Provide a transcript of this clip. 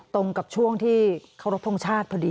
ตรงกับช่วงที่เคารพทงชาติพอดี